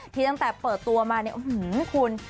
ที่ตั้งแต่เปิดตัวมาเนี่ยอื้อหือคุณ